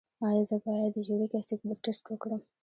ایا زه باید د یوریک اسید ټسټ وکړم؟